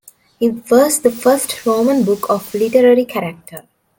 It was "the first Roman book of literary character".